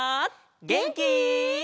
げんき？